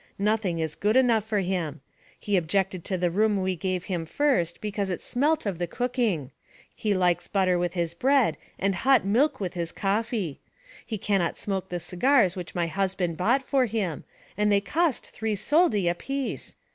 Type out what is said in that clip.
Nothing is good enough for him. He objected to the room we gave him first because it smelt of the cooking. He likes butter with his bread and hot milk with his coffee. He cannot smoke the cigars which my husband bought for him, and they cost three soldi apiece.